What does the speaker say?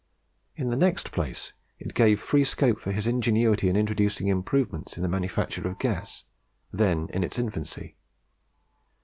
In the next place it gave free scope for his ingenuity in introducing improvements in the manufacture of gas, then in its infancy.